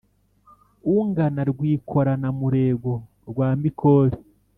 ungana rwikorana murego rwa mikore*,